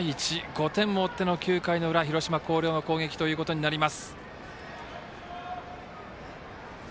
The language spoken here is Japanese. ５点を追っての９回の裏広島・広陵の攻撃ということになります。